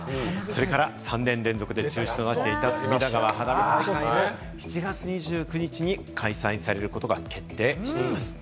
それから３年連続で中止となっていた隅田川花火大会も７月２９日に開催されることが決定しています。